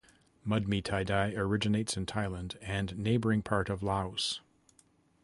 Mudmee tie-dye originates in Thailand and neighboring part of Laos.